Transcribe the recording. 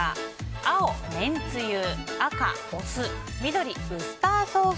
青、めんつゆ赤、お酢緑、ウスターソース。